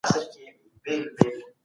نقطه د یوي موضوع پیل کیدی سي.